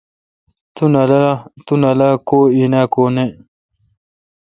تو نالا کو این اؘ کو نہ۔